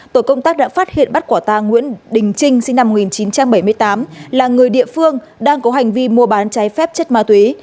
tổ công tác đã phát hiện bắt quả tang nguyễn đình trinh sinh năm một nghìn chín trăm bảy mươi tám là người địa phương đang có hành vi mua bán trái phép chất ma túy